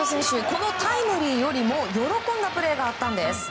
このタイムリーよりも喜んだプレーがあったんです。